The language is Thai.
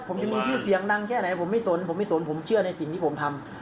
ผมจะมีชื่อเสียงดังแค่ไหนผมไม่สนผมไม่สนผมเชื่อในสิ่งที่ผมทำ